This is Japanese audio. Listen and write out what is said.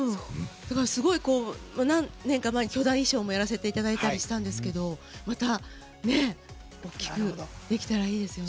だから、何年か前に巨大衣装をやらせてもらたったりもしたんですけどまたね大きくできたらいいですよね。